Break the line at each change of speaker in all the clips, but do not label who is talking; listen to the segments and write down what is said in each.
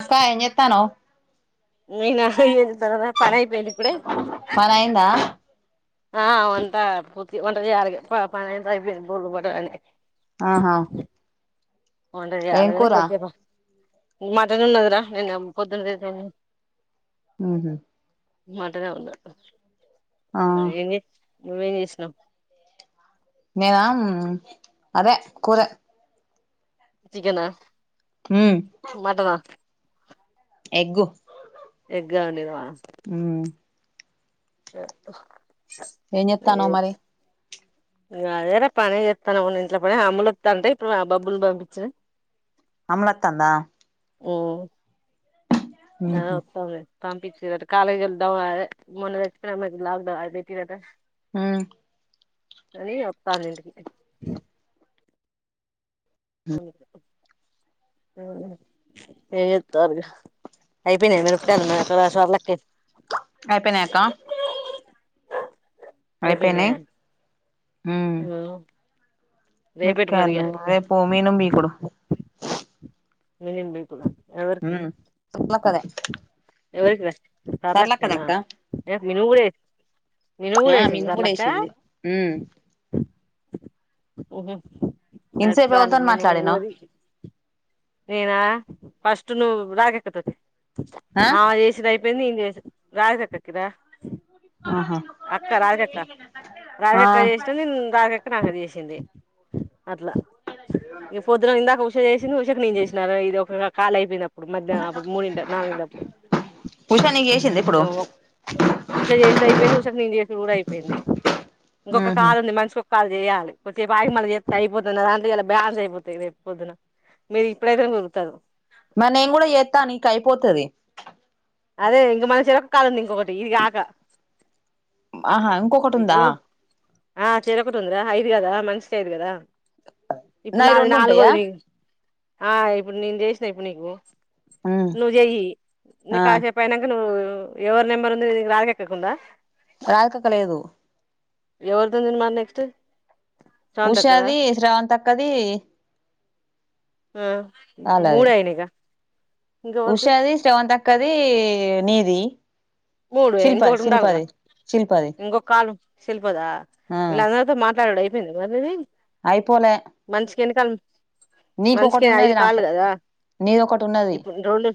అక్క ఏం చెత్తనావ్
నేన ఏం చేస్తున్నానా పైని అయిపోయింది ఇప్పుడే
పని అయిందా
త పూతి ఒంటగ పా పా బోల్ పట్టని
ఆహా ఏం కూర
[unintelligible] మటన్ ఉన్నదిరా నిన్న పొద్దున్న తెచ్చినం మేము
ఉహు
మటన్ నే ఉంది అంట ఆ ఏంది తెచ్చు నువ్ ఎమ్ చేసినవు
మేదామ్ అదే కూర
చికన్ నా
ఉ ఎగ్గు
గానే వా
ఉ
పెప్ హ
ఎమ్ జేతన్నావు మరి
ఇగ అదేరా పని చేస్తాను ఉన్న ఇంట్లో పనే అమ్ములు వత్తా అంటే ఇప్పుడు ఆ బబ్బులు పంపించిన
అమ్ములు అతందా
ఉ ఆ
ఉహు
ఉత్సవే పంపిచి రాట కాలేజి వొళ్ళు డవ్ అదే మొన్న వచ్చిన లాక్ డౌన్ అది పెట్టిరట
ఉ
అనీ ఒతార్ ఇంటికి అవును అవును ఎం జేతారు ఇగ అయిపోయినాయ మిరపకాయలు నా తోనా షాపులకే
అయిపోయినాయ అక్క
అయ్యిపోయినాయ
ఉ
రేపేటి మరిగా
మీరుకాన్న మే పో మీను మీ కుడు
న ఏన్ బెకుదు ఎవరికి
ఉమ్ సర్లక్కదే
ఎవరికి
సర్లక్కదా
తర్లక్కేనా
అక్క
విను కూడా వేసు విను కూడా
ఆ
వేసింది
మీను కూడా
తర్లక్కా
వేసింది ఉమ్
ఓహు
ఇంతసేపు ఎవరితో మాట్లాడినావు
నేనా ఫస్ట్ నువ్ రాగకతతి ఆ జెసినయి పెన్ ఇన్ జేష్ రాజక్క కి రా
ఆహా
అక్క రాజకక్క
ఆ
రాజకక్క ఏ స్టాలిన్ రాజకక్క నాకు చేసింది అట్లా ఇగ పొద్దున ఇందాక ఉష చేస్ తినువను నేను చేసినా ఇది ఒక కాలి అయిపోయిన ఇప్పుడు మధ్యాహ్నం అప్పుడు మూడు నాలుగింటప్పుడు
ఉషా నీకు చేసిందా ఇప్పుడు
ఉష చేసేది అయిపోయింది ఉషకి నేను చేసుడు కూడా అయిపోయింది ఇంకొక
ఉహు
కాలు ఉంది మనిషికి కాలు చేయాలి కొద్దిసేపు ఆగి మళ్ళీ చెత్త అయిపోతది ఇయాలా బ్యాలెన్స్ అయిపోతాయి రేపు పొద్దున్న మీరు ఇప్పుడైతేనే దొరుకుతారు
మరి నేను కూడా చెత్తా నీకయిపోతది
అదే ఇంగ మన చెరో కాల్ ఉంది ఇంకొకటి ఇది కాక
ఆహా ఇంకొకటి ఉందా
ఇప్పుడు ఆ చెరోకటి ఉందిరా అయి ఇది కదా మనిష్కి ఐదు కదా ఇప్పుడు
నాయి
నాది
రెండు ఉంటాయా
నాలుగోది నీకు ఆ ఇప్పుడు నేను చేసిన ఇప్పుడు నీకు
ఉమ్
నువ్వు చెయ్యి నే
ఆ
కాసేపయినాక నువ్ ఉ ఎవరి నెంబర్ ఉంది నీ దగ్గర రాదెక్కదుందా
రాదెక్క తో లేదు
ఎవర్ దుంది మరి నెక్స్ట్ స్రవంతక్కదా
ఉషాది స్రవంతక్కది
ఆ మూడయినాయిగా
ఉషాది స్రవంతక్ ఇంక నీది
మూడు
శిల్ప
ఇంకొకటి ఉండాలిగా
శిల్పది శిల్పది
ఇంకొక కాలు శిల్పద
ఆ
వీళ్ళందరితో మాట్లాడుడు పూర్తయింది మరి నీది
అయిపోలే
మనిషికి ఎన్ని కాల్
నీకు
మనిషికి
ఒకటి ఉన్నది
ఐదు కాల్లు
నాకు
కదా
నీది ఒకటి ఉన్నది
ఇప్పుడు రెండు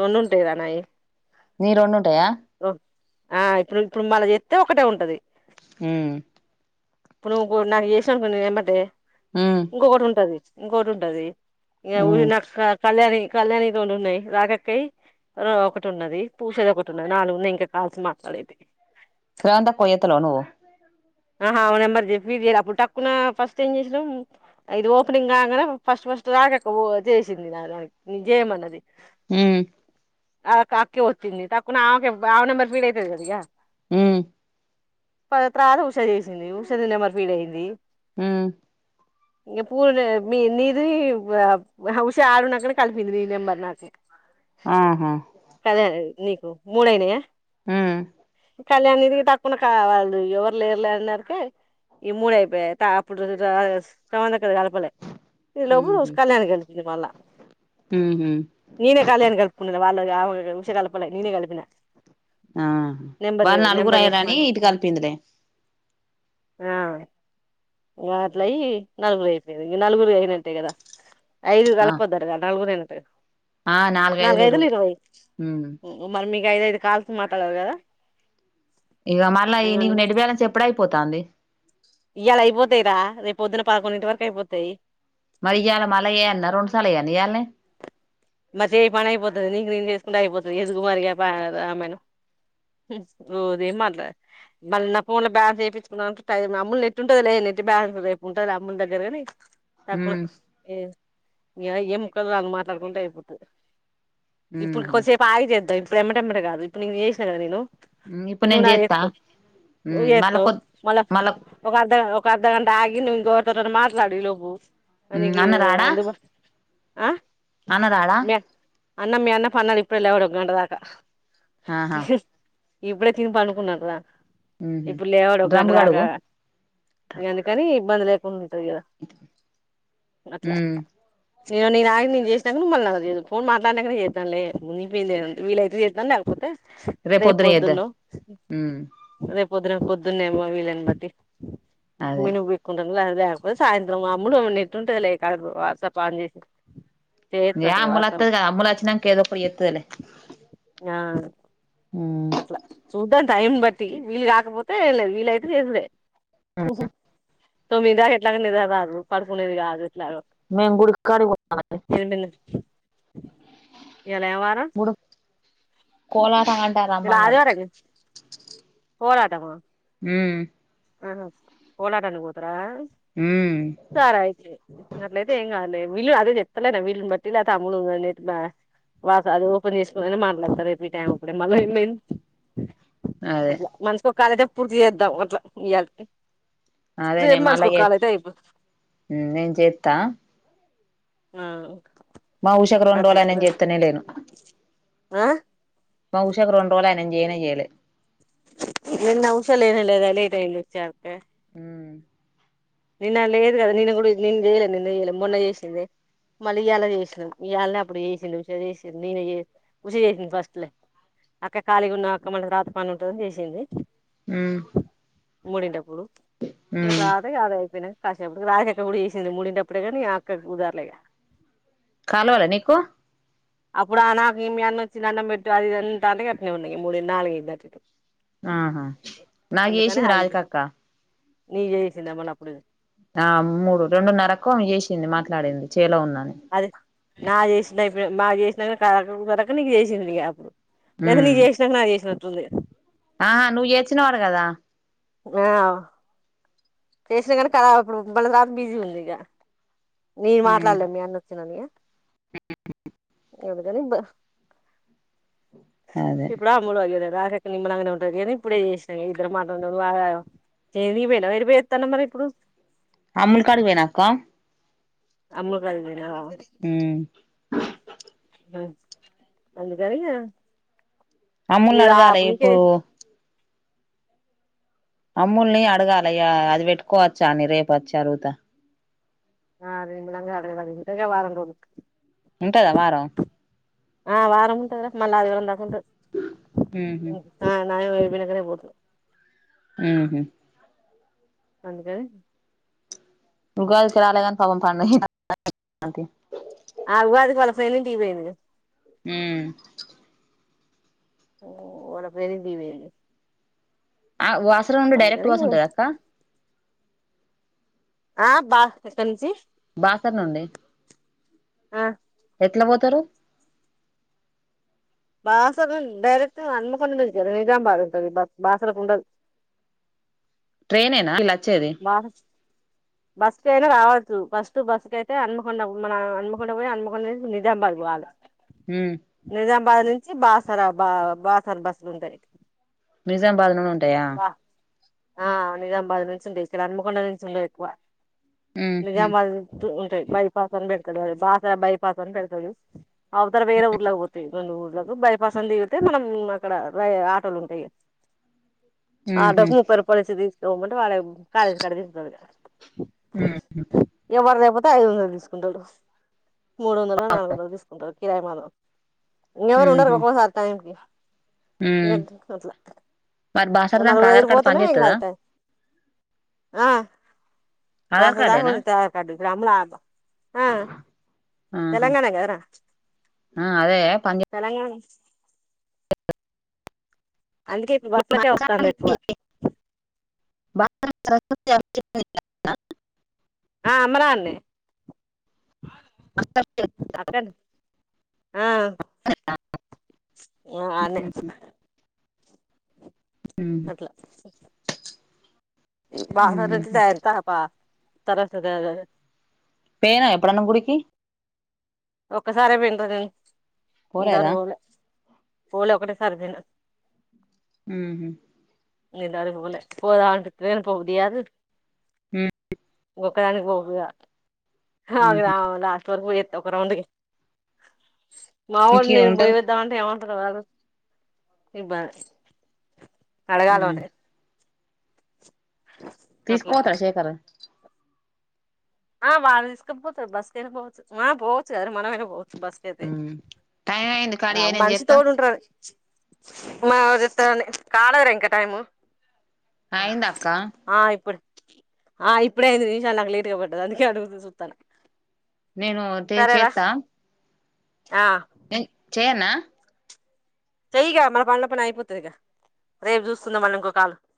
రెండుంటాయ్ కదా నాయి
నీ రొండున్ టయా
ఆ ఇప్పుడు ఇప్పుడు మళ్ళ చెత్తే ఒకటే ఉంటది
హుమ్
ఇప్పుడు నువ్వు నాకు చేసావనుకో ఎంబటే
ఉమ్
ఇంకొకటి ఉంటది ఇంకోటి ఉంటది య ఉరి
ఉమ్
నక్కా కళ్యాణి కళ్యాణి తోనున్నాయ్ రాగక్కయ్ ఒకటి ఉన్నది ఉషది ఒకటి నాలుగున్నాయి ఇంకా కాల్స్ మాట్లాడేది
రాధక్ ఫోన్ చేతలేవ నువ్వు
ఆహా అప్పుడు నెంబర్ ఫీడ్ చేయల అప్పుడు టక్కున ఫస్ట్ ఏం చేసినాం ఇది ఓపెనింగ్ కాగానే ఫస్ట్ ఫస్ట్ రాగక్క చేసింది నా దానికి చేయనున్నది
హ
అ అక్క అక్కే వచ్చింది తక్కున ఆమెక ఆ నెంబర్ పీడ అయితది కడిగా
ఉమ్
పవిత్రాలు ఉష చేసింది ఉషది నెంబర్ ఫీడ్ అయింది
ఉమ్
ఇంకా పూర్ మీ నీది ఉష ఆడున్నక్కడ కలిపింది నీ నెంబర్ నాకు
ఆహా
కళ్యాణ్ నీకు మూడయినాయా
ఆ
కళ్యాణ ఇదికి తక్కువడా కావాలదు ఎవ లేర్లే అన్నారుకి ఈ మూడ అయిపోయాయి అప్పుడు చ స్థానక్ కలపలే ఇ లోపు
ఉహు
కళ్యాణ కలిపింది మళ్ళా
ఉహు
నేనే కళ్యాణి కలుపుపిన్నా వాళ్ళ [unintelligible]
ఆ
నెంబర్
వాళ నలుగురు
నెంబర్
అయ్యారని
చెప్పమని
ఇటు కలిపింది లే
ఆ వాట్ల యి నలుగురు అయిపోయారు నలుగురు అయినంటే కదా ఐదు
ఆ
కలపపోదారా నాలుగు టే
ఆ నాలుగైదులు
నాలుగఐదులు
ఇరవై
ఇరవైదు
ఉమ్
మరిమికు ఇగ ఐదఐదు కాల్స్ మాట్లాడాలి కదా
ఇవ మళ్ళ ఈవినింగ్ నెట్ బ్యా
ఇయళ అయిపోతేయిరా రేపు పొద్దున పదకొండు ఇంటి వరకు అయిపోతాయి
మరి ఇయ్యాల మళ్ళా ఏయన్న రెండు సార్లు ఏయన్న ఇయ్యాలనే
మరి చే పని అయిపోతుంది నీకు నేను చేసుకుంటే అయిపోతుంది ఎదుగుమారిగా ఆమను ద ఏం మాట్లాదు మళ్ళీ నా ఫోన్ లో బ్యాలన్స్ చేయించుకు అమ్మలు నెట్టు ఉంటది లేదు నెట్ బ్యాలన్స్ రేపు ఉంటది అమ్ముల దగ్గరగాని తకు
ఉమ్
ఏ ఎం ముక్కల దాక మాట్లాడుకుంటే ఐపో వద్దు ఇప్పుడు
ఉహు
కొద్దిసేపు ఆగి చేద్దే మే ఇడు ఎమటమ్మట కాదు ఇప్పు నేను చేసిన కదానేను
ఇప్పుడు
నువ్వు
నేను
నాకు
చేత్తా
చేత్తవు నువ్వు
ఉమ్ మళ్ళ
చేస్తావ్
కొ
మల్ల
మళ్ళ
ఒక అర్థగంట ఒక అర్ధగంట ఆగి నువ్వు ఎవరితోనో మాట్లాడి లోపు
ఉమ్
అనగి
అన్న రాడా
అందు బాస్ ఆ
అన్న రాడా
అన్న మీ అన్న పన్నడి ఇప్పుడే లేవడు గంట దాకా
ఆహా
ఇప్పుడే తిని పండుకున్నాడ్ రా
ఉహు
ఇప్పుడు లేవాడు ఒక గంట
డ్రమ్ము
దాకా
కడుగు
అందుకని ఇబ్బంది లే ఉంది అదిగ అట్లా
ఉమ్
చీను నీ నయ్యన్ను నేను చేసినను మల్లా లేదు ఫోన్ మాట్లాడాకనే చేద్దాంలే ముగిపోయింది ఏముంది వీలైతేజేస్తాను లేకపోతే రేపు
పొద్దున చేద్దాం
పొద్దున్నలోప్
ఉమ్
రేప్ పద్దున పద్దున్నేమో వీలని బట్టి నువ్వు
అదే
ఎన్ బిక్కుంటనవ్ ఇంగ లేకపోతే సాయంత్రం అమ్ముడు నిట్టుంటది లే కడుపు వాట్స్ ఆప్ ఆన్ చేసి
ఏ
చేస్తారు కదా వాట్సాప్
అమ్మలత్తది కద అమ్మలు వచ్చినంక ఏదో ఒకటి చెత్తదిలే
ఆ అట్లా చూద్దం టైం బట్టి వీళ్ కాకపోతె లేదు వీళ్లైతె చేసేదె తొమ్మిది దాక ఎట్లాగా నిదర రాదు పడుకునేది కాదు ఎట్లాగో
మేం గుడికాడికి పోతన్నాం ఎ
ఈ యాల ఏం వారం
కోలా
ఇవలా ఆదివారము కదా పోరాటమా
ఉమ్
ఆహ కోలాటానికి పోతారా
ఉమ్
సరా అయితే ఇంగ అట్లైతే ఏం గాదులే వీళ్ళు అదే చెప్తలేదా వీళ్ళని బట్టి లేకపోతే అమ్ములు వా అది ఓపెన్ చేసులోనైన మాట్లాడతాది ఈ టైం అప్పుడే మళ ఏంది
అదే
అట్లా మనిషికి ఒక కాల్ అయితె పూర్తి చేద్దం అట్లా ఇయ్యాల్
అదే నే మళ్ళీ ఇగ నేను చేత్త
ఆ
మా ఊషకు రెండు
అట్లా
రోజులనించి చేతనే లేను
ఆ
మా ఉష కి రొండురోజులాయ నెన్ చేయనే చేయలే
నిన్న ఉష లేనే లేదండి లేట్ అయింది వచ్చేయాలకె
ఉమ్
నిన్న లేదు కదా నిన్న కూడా నిన్న చేయలే నిన్న చేయలే మొన్న చేసింది మళ్ళీ ఇయాల చేసినమ్ ఇవాళనే అప్పుడు చేసింది ఉష చేసింది నేను ఉష చేసింది ఫస్ట్లే అక్క కాళీగా ఉన్నవ అక్క మళ్ళ రాత్రి పని ఉంటదని చేసింది
ఊ
మూడింట అప్పుడు [unintelligible] అ కాసేపటి రాజక్క కూడ చేసింది మూడింట టప్పుడే కాని అక్కకు కుదర్లే ఇగ
కలవల నీకు
అప్పుడా ఆ నాకీ మీ అన్న వచ్చి అన్నం పెట్టు అది ఇది అంటంటే అట్నే ఉన్న మూడు నాలుగు అయింది
ఆహా
[unintelligible]
నాకు
అందుకనే
చేసింది
ఆగింది
రాధికక్క
నీకు చేసింద మల్ల అప్పుడు
ఆ మూడు రెండున్నరకు చేసింది మాట్లాడింది చేలో ఉన్నా
అదే నా చేసిన [unintelligible] చేసింది ఇగ అప్పుడు లేద నీకి చేసినంక నాక్ చేసిన ఉంది
ఆ నువ్వు ఏడ్చినవంట కదా
ఆ చేస్తే కనక అప్పుడు [unintelligible] బిజీ గా ఉందిగా నేను
ఉమ్
మాట్లేడ్లే మీ అన్న వచ్చినని
[unintelligible]
అందుకని బ
అదే
ఇప్పుడు అమ్ములు [unintelligible] నిమ్మళంగా ఉంటదనీ ఇప్పుడే చేసిన ఇగ ఇద్దరం [unintelligible] తన మరి ఇప్పుడు
అమ్ములు కాడికి పోయినా అక్క
అమ్మగ
ఉమ్
[unintelligible] [unintelligible] అందుకని ఇగ
అముల్ ని అడగాలి
నీకే
ఇప్పుడు అమ్ముల్ని అడగాలి యా అది పెట్టుకోవచ్చా అని రేపు వచ్చి అడుగుత
ఆ [unintelligible] వారం రోజుల
ఉంటద వారం
ఆ వారం ఉంటది ర మళ్లీ ఆదివారం దాక వుంటాది
ఉహు
నయం అయిపోయినకే పోతది
ఉహు
అందుకని
ఉగాది కి రాలేదని పాపం పండగే [unintelligible]
ఆ ఉగాదికి వాళ్ళ ఫ్రెండ్ ఇంటికి పోయింది
ఊ
వాళ్ళ ఫ్రెండ్ ఇంటికి పోయింది
ఆ [unintelligible] నుండి డైరెక్ట్
అందుకని
బస్ ఉంటుద అక్క
ఆ [unintelligible] నుంచి
బాసర్ నుండి
ఆ
ఎట్ల వో తరు
బాసర డైరెక్ట్ హన్మకొండ నుంచెల్ నిజాంబాద్ ఉంటది బాసరకు ఉండదు
నేనేనా ఇల
బాదచ్ బస్సుకైన రావచ్చు ఫస్ట్ బస్సుకైతే హన్మకొండ మన అన్మకొండ పోయి అన్మకొండ నించి నిజాంబాద్ పోవాలే
ఉం
అడ్ నుంచి బాసర బా బాసర బస్సులుంటాయి
నిజాంబాద్ నుండి ఉంటాయా
ఆ నిజాంబాద్ నుంచి ఉంటాయి ఇడ హన్మకొండ నుంచి ఉండయ్ ఎక్కువ
ఉహు
నిజాంబాద్ నుత్తువ్ బైపాస్ అని పెడతాడు అది బాసర బైపాస్ అని పెడతాడు అవతల వేరే ఊర్లకువోతయి రెండు ఊర్లకు బైపాస్ అని దిగితే మనం అక్కడ రై ఆటోలు ఉంటయి
ఉహు
ఆటోకు ముప్పై రూపాయిలు ఇచ్చి దిచ్ తొవుంట వాడె కాలేజ్ కాడ దింపుతడు
ఉహు
పొతె ఐదు ఒందలు తీసుకుంటడు మూడు ఒందలో నాలుగు ఒందలో తీసుకుంటరు కిరాయి మానం ఇంగ ఎవరు ఉండరు
ఉహు
ఒక్కొక్కసారి టైంకి
ఉమ్
ఎందుకు అట్లా
మరి బాసర దాంక
నలుగురు
ఆధార్
ఐదుగురు
కార్డు
పోతునే
పని
ఏం
చేత్తదా
కాదు టైం ఆ
ఆధార్
బాసరా దాక
కార్డేనా
పనిచెత్తది ఆధార్ కార్డ్ ఇప్పుడు అమ్ములు ఆ
ఆహా
తెలంగాణే గదరా
ఆ అదే పని చే
తెలంగాణ [unintelligible] అందుకే ఇప్పుడు బస్లకే వస్తాంది ఎక్కువ
బాస అ [unintelligible] [inaudible]
ఆ అమ్మనాన్నే
అత్తమ్మ ఇగ
రండి ఆ
అన్నేనా
ఆ అన్నే
ఉహు
అట్లా ఈ బాసరైతే
ఉహు
దైర్ తాపా తరసదాగా
పేయినవా ఎప్పుడన్న గుడికి
ఒక్కసారే పోయింద్రా ఇంతరూ
పోలేదా
పోలే పోలే ఒకటే సారి పోయినా
ఉహ్ హు
లేదు ఆడికి పోలే. పోదంటను పోబుద్ది కాదు. ఒకదానికి పోబుద్ది కా
ఉహు
అహ్ లాస్ట్ వరకు రావందిరిగి మావడు
ఇంకే
నేను పోయి
ఉంటారు
వద్దాంటేమ ఎమ్ వస్తాడో రాడో ఇగా బాస్ అడగాలే వాన్నే అట్లా
తీసుకోతాడ శేఖరూ
ఆ వాడ్ తీసుకపోతరు. బస్సుకేన పోవచ్చు. వాహ్ పోవచ్చు గదరా ఆహ్ మనమయినా పోవ్ బస్ కైతే
హ్మ్. టైం అయింది ఖాళీ
రా
అయి నేను
మనిషి
చేత్తా
తోడుంటారు. మా జత కాలేదు రా ఇంకా టైం ము ఆహ్
అయింది అక్క
ఆ ఇప్పుడు ఆ ఇప్పుడ అయింది. నిమిషాలు నాకు లేట్గాబడ్ తది అందుకే అడుగుతు సుతన
నేను తే చేత్తా
ఆహ్
చేయాల్న
చెయ్యిగా. మన పని లో పని అయిపోతది. ఇగా రేపు చూస్కుందా మళ్ళీ ఇంకోకాలు